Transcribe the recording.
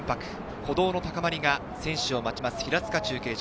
歩道の高まりが選手を待ちます平塚中継所。